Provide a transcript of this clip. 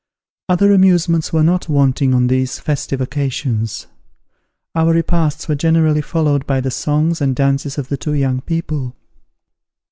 Other amusements were not wanting on these festive occasions. Our repasts were generally followed by the songs and dances of the two young people.